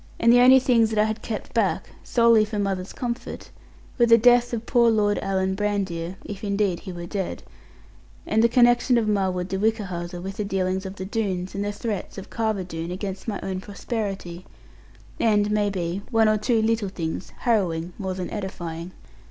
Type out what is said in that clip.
And the only things that I had kept back, solely for mother's comfort, were the death of poor Lord Alan Brandir (if indeed he were dead) and the connection of Marwood de Whichehalse with the dealings of the Doones, and the threats of Carver Doone against my own prosperity; and, may be, one or two little things harrowing more than edifying.